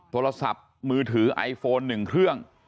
โทรศัพท์มือถือไอโฟน๑เครื่อง